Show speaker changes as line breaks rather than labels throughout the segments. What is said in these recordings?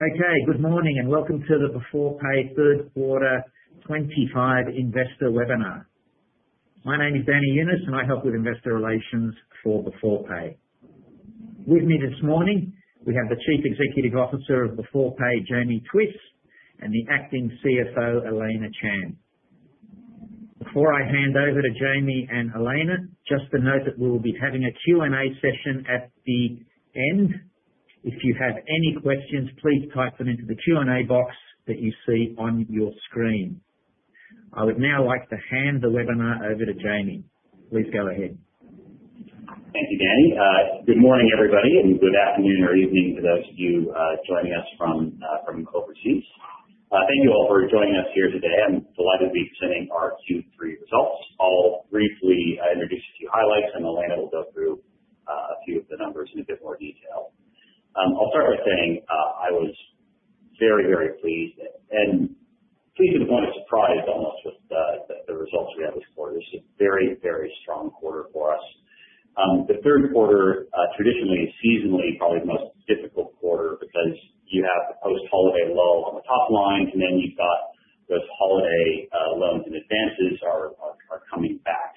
Okay, good morning and welcome to the Beforepay Third Quarter 2025 Investor webinar. My name is Danny Younis, and I help with investor relations for Beforepay. With me this morning, we have the Chief Executive Officer of Beforepay, Jamie Twiss, and the Acting CFO, Elena Chan. Before I hand over to Jamie and Elena, just to note that we will be having a Q&A session at the end. If you have any questions, please type them into the Q&A box that you see on your screen. I would now like to hand the webinar over to Jamie. Please go ahead.
Thank you, Danny. Good morning, everybody, and good afternoon or evening to those of you joining us from overseas. Thank you all for joining us here today. I'm delighted to be presenting our Q3 results. I'll briefly introduce a few highlights, and Elena will go through a few of the numbers in a bit more detail. I'll start by saying I was very, very pleased, and pleased to the point of surprise almost with the results we had this quarter. This is a very, very strong quarter for us. The third quarter, traditionally and seasonally, is probably the most difficult quarter because you have the post-holiday lull on the top line, and then you've got those holiday loans and advances coming back,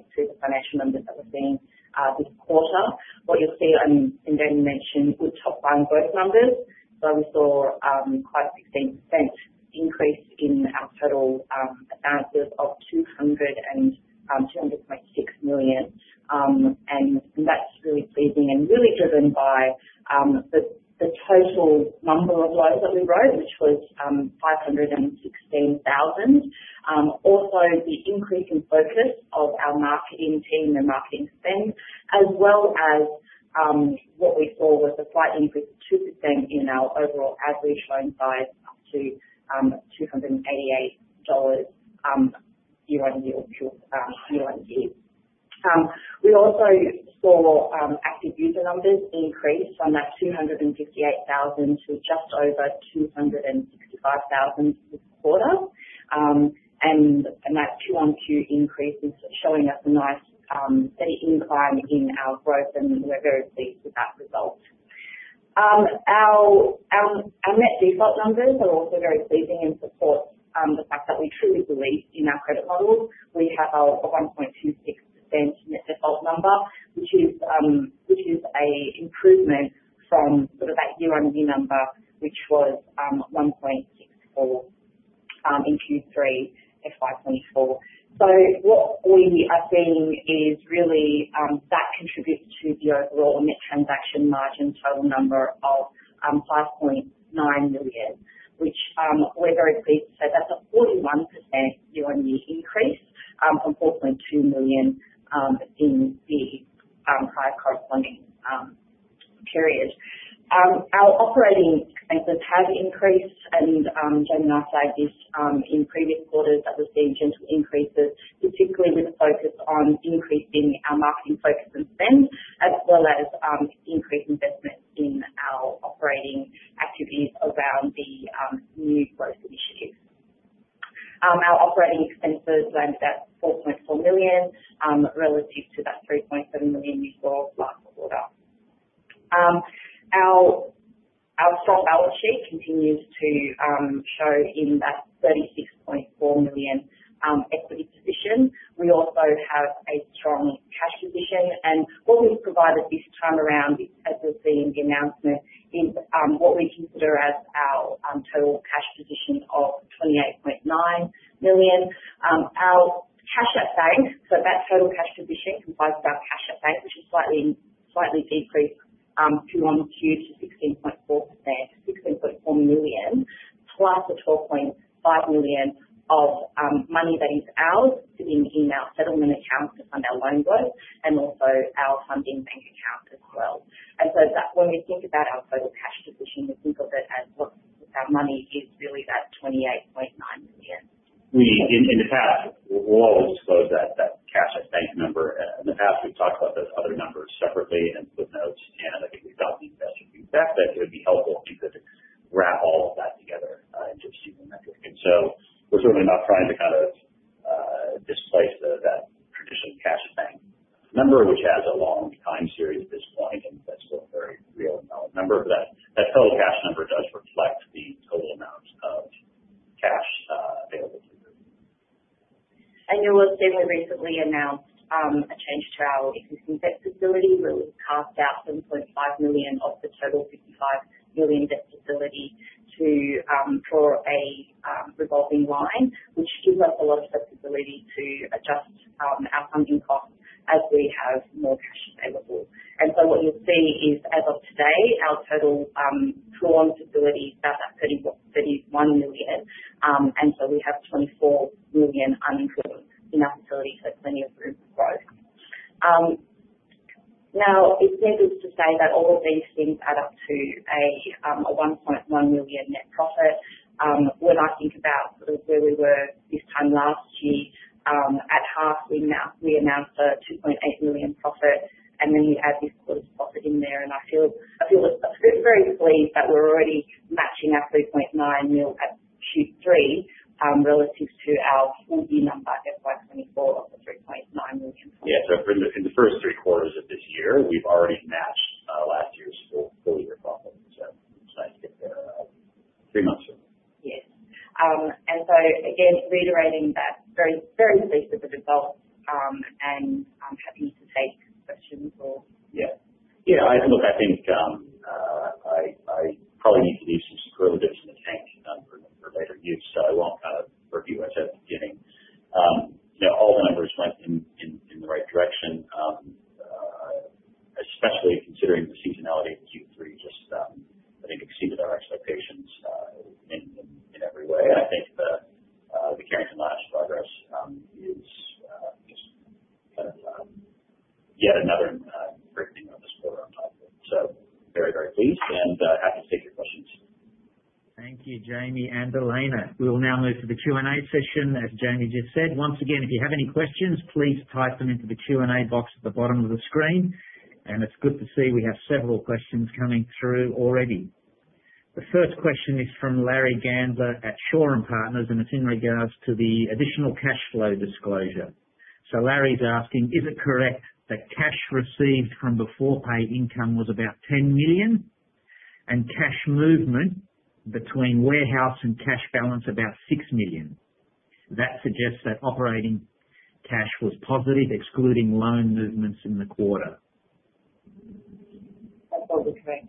to the financial numbers that we're seeing this quarter. What you'll see, and Danny mentioned, good top-line growth numbers. So we saw quite a 16% increase in our total advances of 226 million. And that's really pleasing and really driven by the total number of loans that we wrote, which was 516,000. Also, the increase in focus of our marketing team and marketing spend, as well as what we saw was a slight increase of 2% in our overall average loan size up to 288 dollars year-on-year. We also saw active user numbers increase from that 258,000 to just over 265,000 this quarter. That Q on Q increase is showing us a nice steady incline in our growth, and we're very pleased with that result. Our net default numbers are also very pleasing and support the fact that we truly believe in our credit models. We have a 1.26% net default number, which is an improvement from sort of that year-on-year number, which was 1.64% in Q3 of 2024. So what we are seeing is really that contributes to the overall net transaction margin total number of 5.9 million, which we're very pleased to say that's a 41% year-on-year increase from 4.2 million in the prior corresponding period. Our operating expenses have increased, and Jamie and I said this in previous quarters that we've seen gentle increases, particularly with a focus on increasing our marketing focus and spend, as well as increased investment in our operating activities around the new growth initiative. Our operating expenses landed at 4.4 million relative to that 3.7 million we saw last quarter. Our strong balance sheet continues to show in that 36.4 million equity position. We also have a strong cash position. And what we've provided this time around is, as we've seen in the announcement, what we consider as our total cash position of 28.9 million. Our cash at bank, so that total cash position comprised of our cash at bank, which has slightly decreased Q on Q to 16.4 million, plus the 12.5 million of money that is ours sitting in our settlement account to fund our loan growth and also our funding bank account as well. And so when we think about our total cash position, we think of it as our money is really that 28.9 million.
In the past, while we disclosed that cash at bank number, in the past, we've talked about those other numbers separately and put notes, and I think we've gotten the investor feedback that it would be helpful to wrap all of that together into a single metric, and so we're certainly not trying to kind of displace that traditional cash at bank number, which has a long time series at this point, and that's still a very real and valid number, but that total cash number does reflect the total amount of cash available to you.
And you will see we recently announced a change to our existing debt facility, where we've carved out 7.5 million off the total 55 million debt facility for a revolving line, which gives us a lot of flexibility to adjust our funding costs as we have more cash available. And so what you'll see is, as of today, our total drawn facility is about that 31 million, and so we have 24 million undrawn in our facility, so plenty of room for growth. Now, it's needless to say that all of these things add up to a 1.1 million net profit. When I think about sort of where we were
that cash received from Beforepay income was about 10 million and cash movement between warehouse and cash balance about 6 million? That suggests that operating cash was positive, excluding loan movements in the quarter.
That's all correct.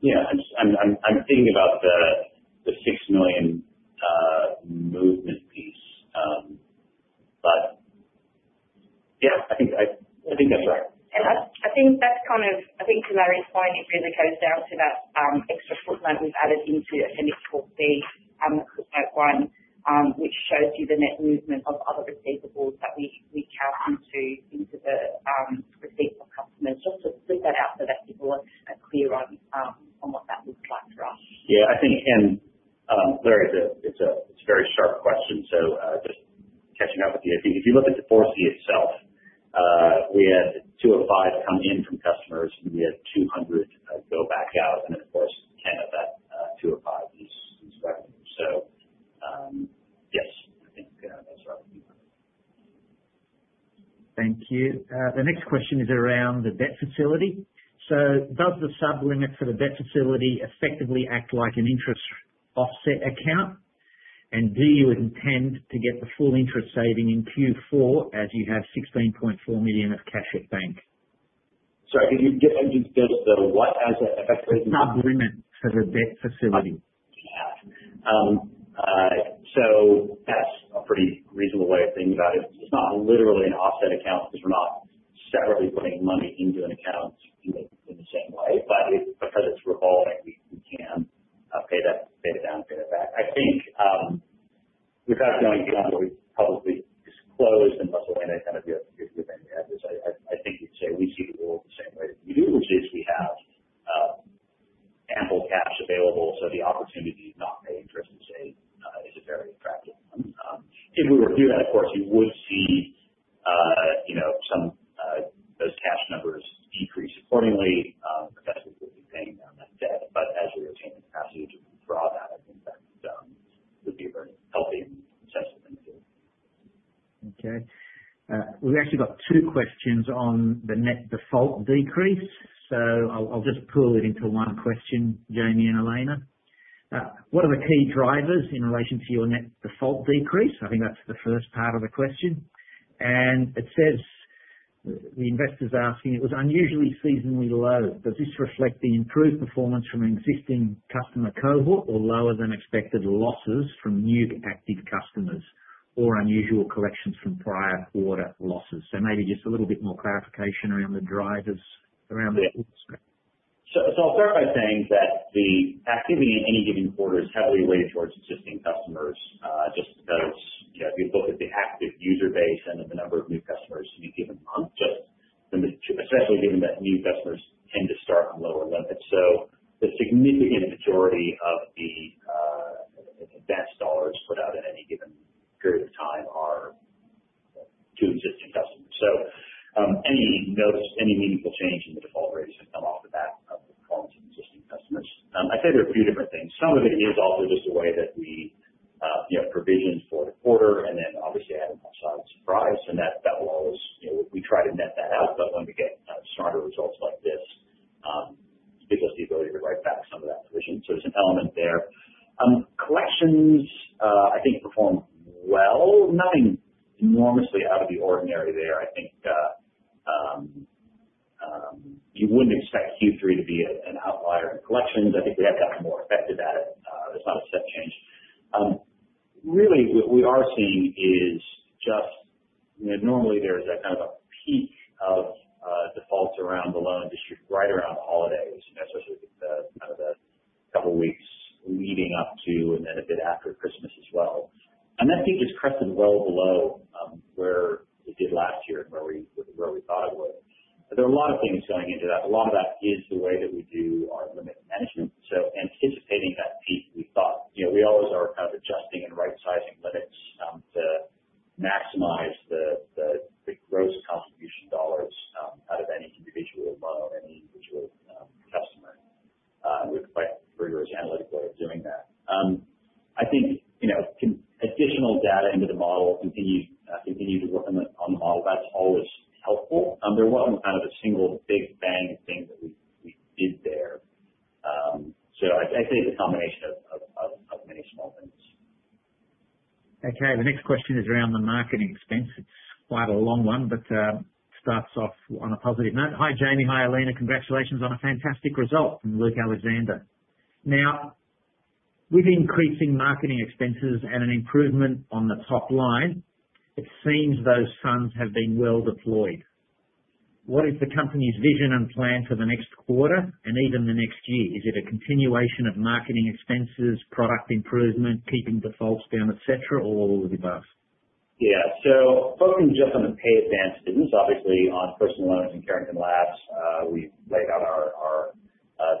Yeah, I'm thinking about the 6 million movement piece, but yeah, I think that's right.
I think that's kind of, I think to Larry's point, it really goes down to that extra footnote we've added into Appendix 4C, Footnote 1, which shows you the net movement of other receivables that we count into the receipts of customers. Just to put that out so that people are clear on what that looks like for us.
Yeah, I think, and Larry, it's a very sharp question, so just catching up with you. If you look at the 4C itself, we had 2.5 come in from customers, and we had 200 go back out, and of course, 10% of that 2.5 is revenue. So yes, I think that's right.
Thank you. The next question is around the debt facility. So does the sub-limit for the debt facility effectively act like an interest offset account? And do you intend to get the full interest saving in Q4 as you have 16.4 million of cash at bank?
Sorry, could you get into the what as an effective?
Sub-limit for the debt facility.
So that's a pretty reasonable way of thinking about it. It's not literally an offset account because we're not separately putting money into an account in the same way, but because it's revolving, we can pay that down, pay that back. I think
two questions on the net default decrease, so I'll just pull it into one question, Jamie and Elena. What are the key drivers in relation to your net default decrease? I think that's the first part of the question. And it says the investor's asking, "It was unusually seasonally low. Does this reflect the improved performance from an existing customer cohort or lower-than-expected losses from new active customers or unusual collections from prior quarter losses?" So maybe just a little bit more clarification around the drivers.
So I'll start by saying that the activity in any given quarter is heavily weighted towards existing customers just because if you look at the active user base and the number of new customers in a given month, especially given that new customers tend to start on lower limits. So the significant majority of the advanced dollars put out in any given period of time are to existing customers. So any meaningful change in the default rate is going to come off the back of the performance of existing customers. I'd say there are a few different things. Some of it is also just the way that we provisioned for the quarter and then obviously had an upside surprise, and that will always we try to net that out, but when we get smarter results like this, it gives us the ability to write back some of that provision. So there's an element there. Collections, I think, performed well. Nothing enormously out of the ordinary there. I think you wouldn't expect Q3 to be an outlier in collections. I think we have gotten more effective at it. It's not a step change. Really, what we are seeing is just normally there's a kind of a peak of defaults around the loan [distribution] right around the holidays, especially kind of the couple of weeks leading up to and then a bit after Christmas as well. And that peak has crested well below where it did last year and where we thought it would. There are a lot of things going into that. A lot of that is the way that we do our limit management. So, anticipating that peak, we thought we always are kind of adjusting and right-sizing limits to maximize the gross contribution dollars out of any individual loan, any individual customer. We've quite rigorous analytic way of doing that. I think additional data into the model and continue to work on the model, that's always helpful. There wasn't kind of a single big bang thing that we did there. So I'd say it's a combination of many small things.
Okay. The next question is around the marketing expense. It's quite a long one, but starts off on a positive note. Hi, Jamie. Hi, Elena. Congratulations on a fantastic result from Luke Alexander. Now, with increasing marketing expenses and an improvement on the top line, it seems those funds have been well deployed. What is the company's vision and plan for the next quarter and even the next year? Is it a continuation of marketing expenses, product improvement, keeping defaults down, etc., or all of the above?
Yeah. So focusing just on the Pay Advance business, obviously on personal loans and Carrington Labs, we've laid out our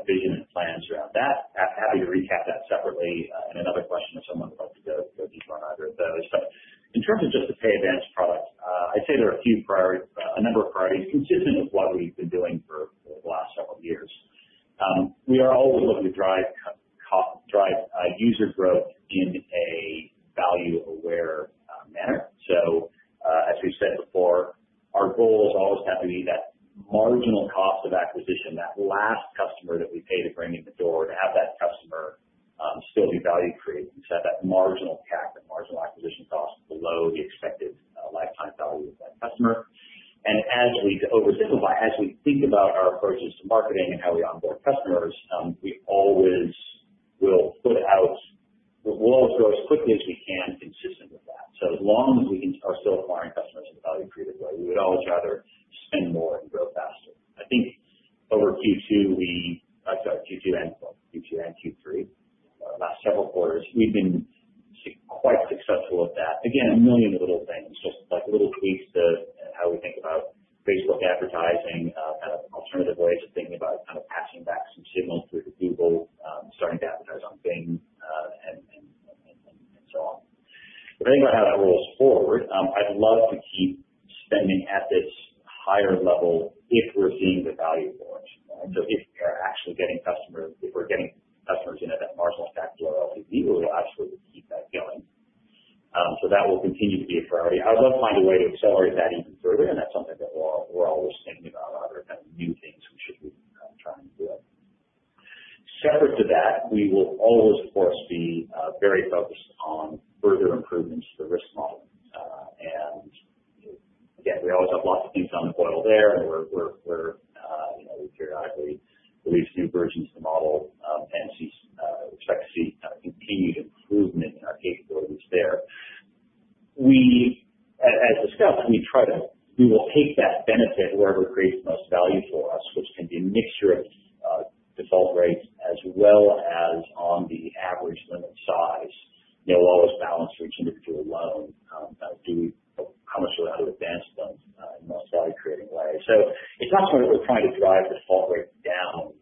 vision and plans around that. Happy to recap that separately. And another question if someone would like to go deeper on either of those. But in terms of just the Pay Advance product, I'd say there are a few priorities, a number of priorities consistent with what we've been doing for the last several years. We are always looking to drive user growth in a value-aware manner. So as we've said before, our goals always have to be that marginal cost of acquisition, that last customer that we pay to bring in the Separate to that, we will always, of course, be very focused on further improvements to the risk model. And again, we always have lots of things on the boil there, and we periodically release new versions of the model and expect to see continued improvement in our capabilities there. As discussed, we will take that benefit wherever it creates the most value for us, which can be a mixture of default rates as well as on the average limit size. We'll always balance for each individual loan, how much do we add to advanced loans in the most value-creating way. So it's not something that we're trying to drive the default rate down,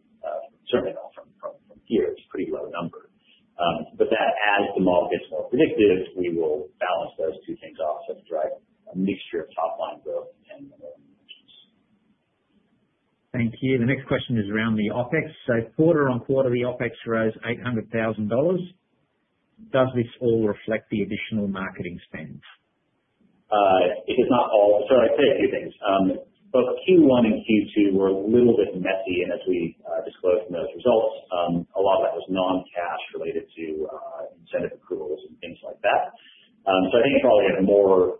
certainly not from here. It's a pretty low number. But that, as the model gets more predictive, we will balance those two things off so to drive a mixture of top-line growth and lower margins.
Thank you. The next question is around the OpEx. So quarter on quarter, the OpEx rose 800,000 dollars. Does this all reflect the additional marketing spend?
It does not all. So I'd say a few things. Both Q1 and Q2 were a little bit messy, and as we disclosed in those results, a lot of that was non-cash related to incentive approvals and things like that. So I think probably a better way to think about it is a bit more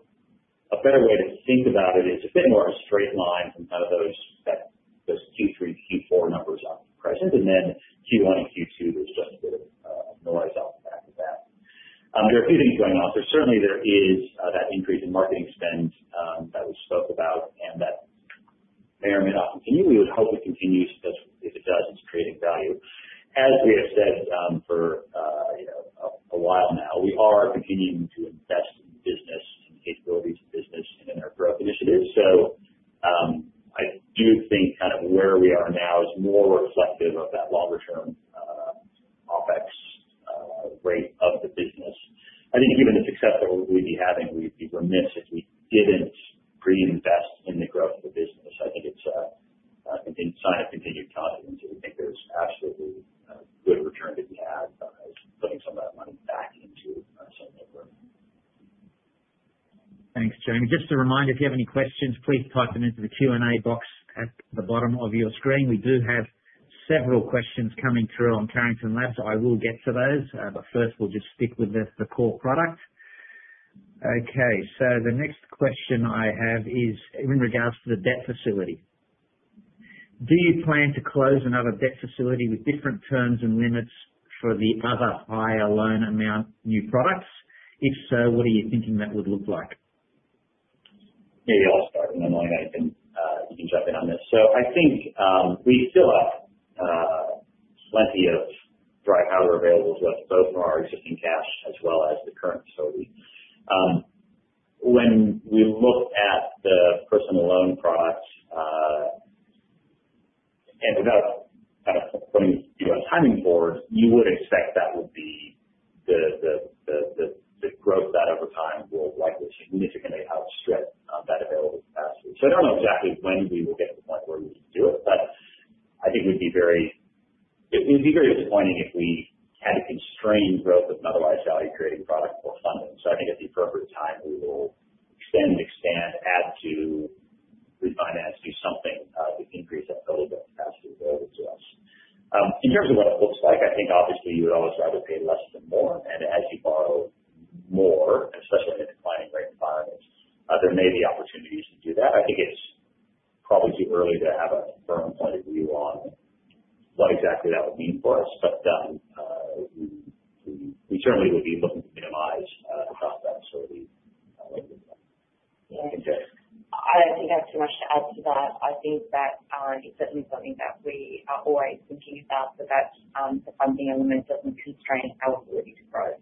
of a straight line from kind of those Q3-Q4 numbers up present, and then Q1 and Q2, there's just a bit of noise off the back of that. There are a few things going on. So certainly, there is that increase in marketing spend that we spoke about and that may or may not continue. We would hope it continues because if it does, it's creating value. As we Yeah, I'll start, and then Elena can jump in on this. So I think we still have plenty of dry powder available to us, both from our existing cash as well as the current facility. When we look at the personal loan product and without putting you on a timing board, you would expect that would be the growth that over time will likely significantly outstretch that available capacity. So I don't know exactly when we will get to the point where we can do it, but I think it would be very disappointing if we had to constrain growth of an otherwise value-creating product for funding. So I think at the appropriate time, we will extend, expand, add to, refinance, do something to increase that available capacity available to us. In terms of what it looks like, I think obviously you would always rather pay less than more. As you borrow more, especially in a declining rate environment, there may be opportunities to do that. I think it's probably too early to have a firm point of view on what exactly that would mean for us, but we certainly would be looking to minimize the cost of that facility in the future.
I don't think I have too much to add to that. I think that our existing funding that we are always thinking about, but that's the funding element that would constrain our ability to grow.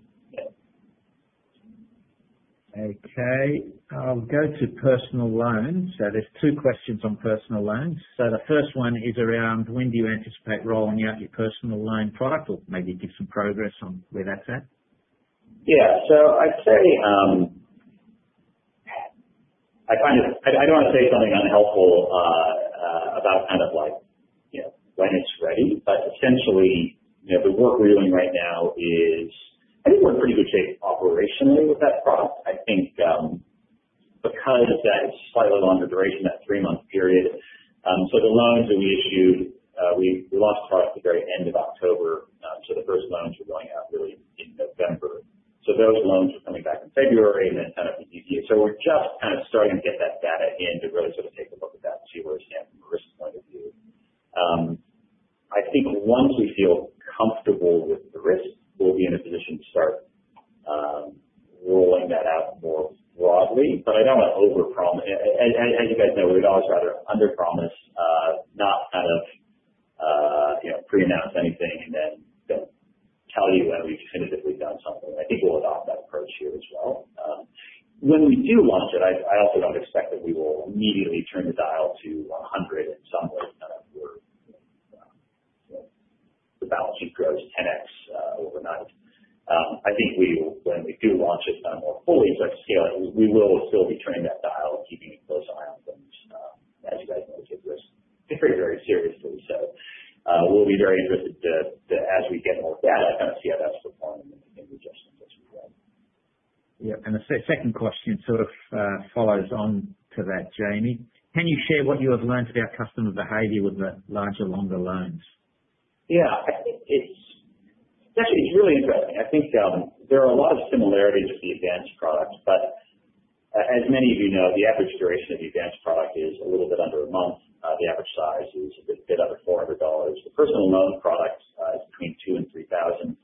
Okay. We'll go to personal loans. So there's two questions on personal loans. So the first one is around when do you anticipate rolling out your personal loan product or maybe give some progress on where that's at?
Yeah. So I'd say I kind of don't want to say something unhelpful about kind of when it's ready, but essentially, the work we're doing right now is I think we're in pretty good shape operationally with that product. I think because of that slightly longer duration, that three-month period. So the loans that we issued, we launched product at the very end of October. So the first loans were going out really in November. So those loans were coming back in February and then kind of the year. So we're just kind of starting to get that data in to really sort of take a look at that and see where it stands from a risk point of view. I think once we feel
second question sort of follows on to that, Jamie. Can you share what you have learned about customer behavior with the larger, longer loans?
Yeah. I think it's actually really interesting. I think there are a lot of similarities with the advanced product, but as many of you know, the average duration of the advanced product is a little bit under a month. The average size is a bit under 400 dollars. The personal loan product is between 2,000 and 3,000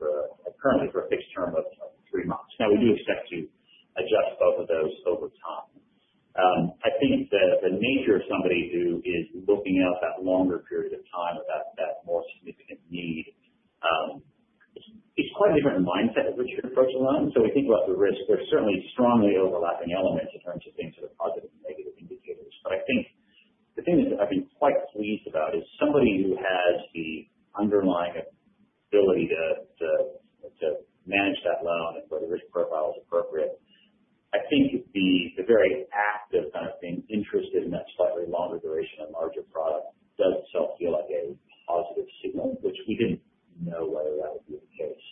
currently for a fixed term of three months. Now, we do expect to adjust both of those over time. I think the nature of somebody who is looking out that longer period of time without that more significant need, it's quite a different mindset with your personal loan. So we think about the risk. There's certainly strongly overlapping elements in terms of being sort of positive and negative indicators. But I think the thing that I've been quite pleased about is somebody who has the underlying ability to manage that loan and where the risk profile is appropriate. I think the very active kind of being interested in that slightly longer duration and larger product does itself feel like a positive signal, which we didn't know whether that would be the case.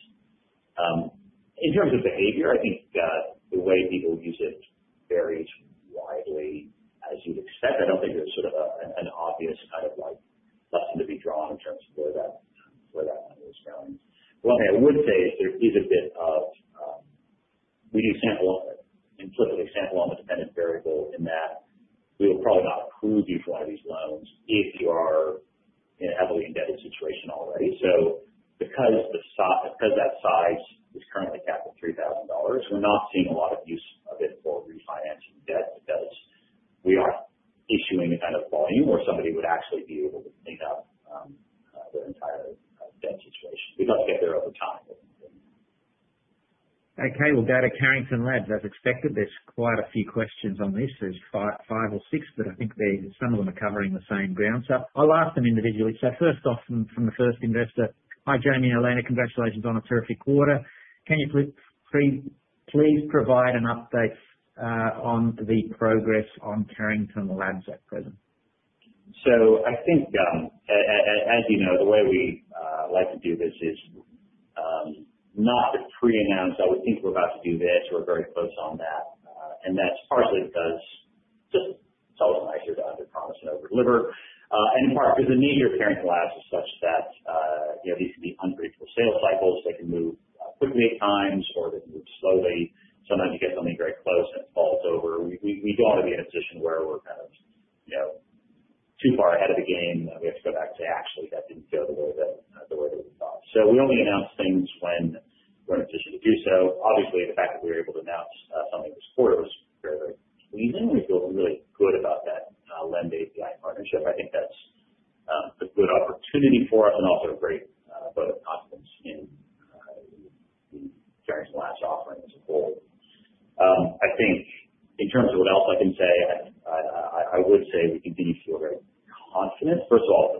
In terms of behavior, I think the way people use it varies widely as you'd expect. I don't think there's sort of an obvious kind of lesson to be drawn in terms of where that money is going. The one thing I would say is there is a bit of we do sample not to pre-announce, "I would think we're about to do this. We're very close on that." And that's partially because it's always nicer to underpromise than overdeliver. And in part because the nature of Carrington Labs is such that these can be unpredictable sales cycles. They can move quickly at times or they can move slowly. Sometimes you get something very close and it falls over. We don't want to be in a position where we're kind of too far ahead of the game and we have to go back and say, "Actually, that didn't go the way that we thought." So we only announce things when we're in a position to do so. Obviously, the fact that we were able to announce something this quarter was very, very pleasing. We feel really good about that LendAPI partnership. I think that's a good opportunity for us and also a great vote of confidence in the Carrington Labs offering as a whole. I think in terms of what else I can say, I would say we continue to feel very confident. First of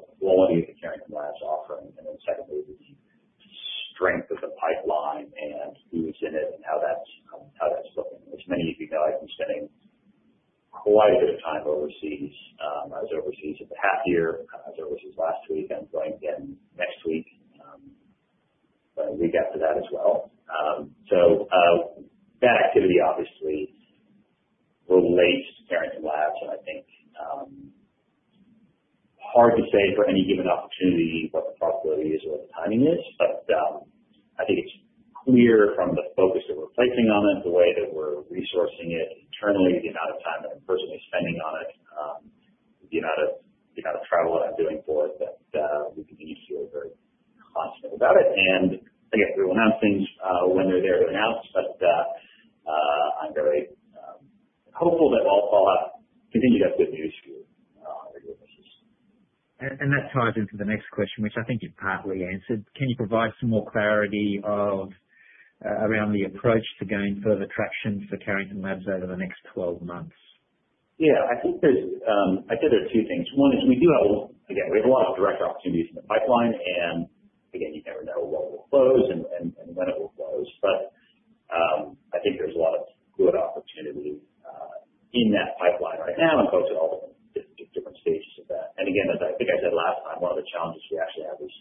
different stages of that. And again, as I think I said last time, one of the challenges we actually have is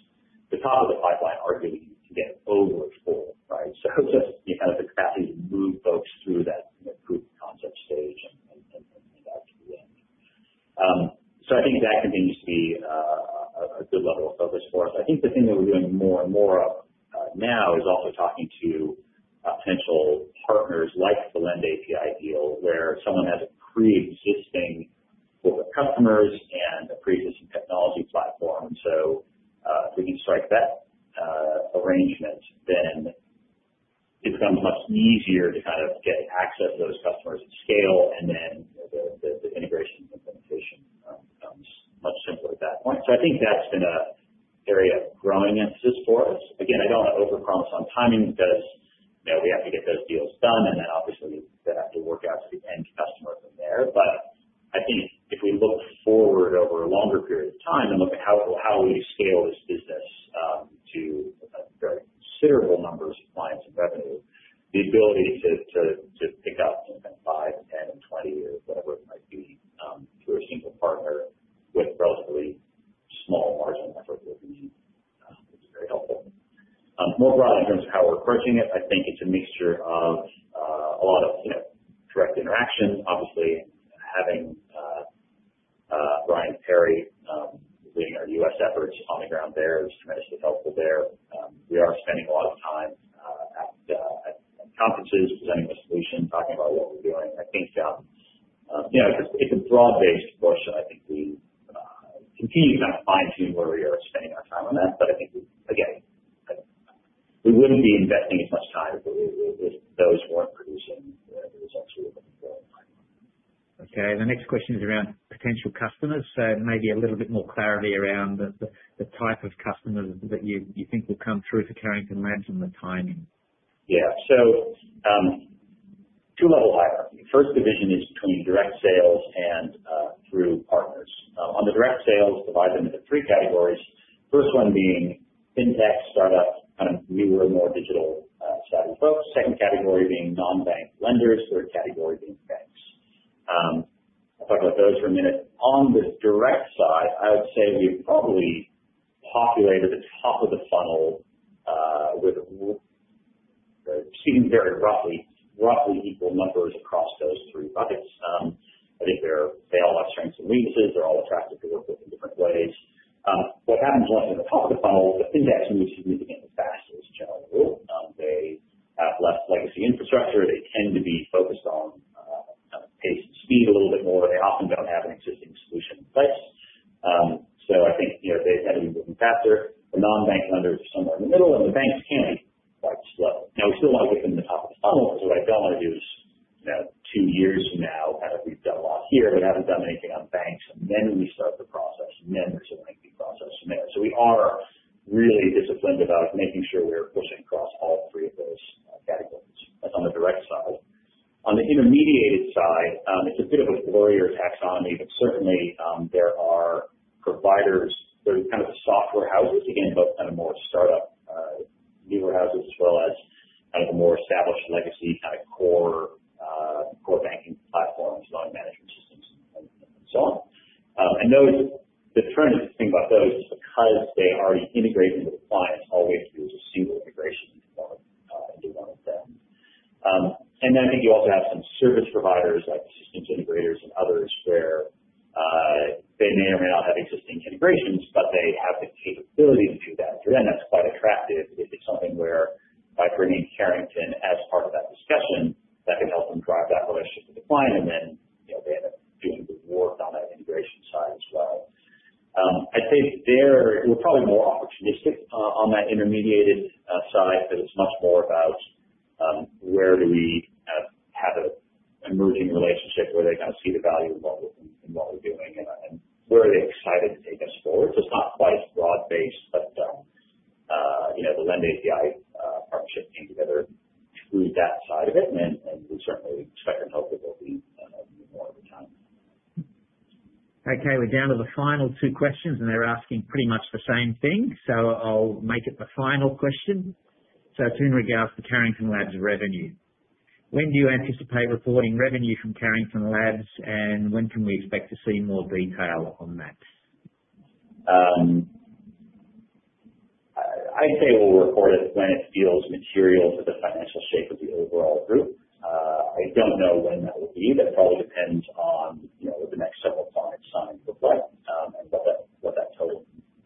the top of the pipeline arguably can get over full, right? So it's just kind of the capacity to move folks through that proof of concept stage and out to the end. So I think that continues to be a good level of focus for us. I think the thing that we're doing more and more of now is also talking to potential partners like the LendAPI deal where someone has a pre-existing pool of customers and a pre-existing technology platform, and so if we can strike that arrangement, then it becomes much easier to kind of get access to those customers at scale, and then the integration and implementation becomes much simpler at that point, so I think that's been an area of growing emphasis for us. Again, I don't want to overpromise on timing because we have to get those deals done, and then obviously they have to work out to the end customer from there. But On the direct sales, divide them into three categories. First one being fintech startups, kind of newer, more digital-savvy folks. Second category being non-bank lenders. Third category being banks. I'll talk about those for a minute. On the direct side, I would say we've probably populated the top of the funnel with, speaking very roughly, roughly equal numbers across those three buckets. I think they all have strengths and weaknesses. They're all attractive to work with in different ways. What happens once they're at the top of the funnel, the fintechs move significantly faster as a general rule. They have less legacy infrastructure. They tend to be focused on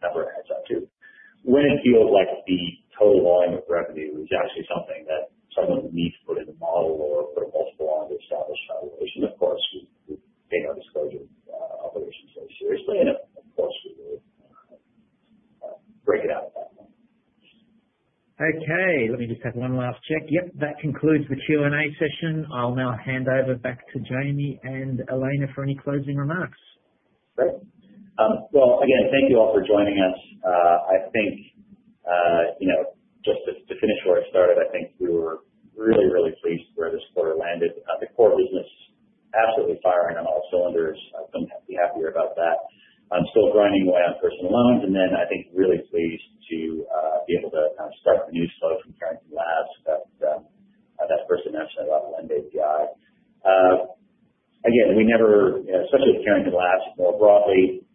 and what that total number adds up to. When it feels like the total volume of revenue is actually something that someone would need to put in the model or put a multiple on to establish valuation, of course, we take our disclosure obligations very seriously, and of course, we will break it out at that point.
Okay. Let me just have one last check. Yep, that concludes the Q&A session. I'll now hand over back to Jamie and Elena for any closing remarks.
Great. Well, again, thank you all for joining us. I think just to finish where I started, I think we were really, really pleased where this quarter landed. The core business is absolutely firing on all cylinders. I couldn't be happier about that. I'm still grinding away on personal loans, and then I think really pleased to be able to kind of start the new slope from Carrington Labs that first I mentioned about LendAPI. Again, we never, especially with Carrington Labs more broadly,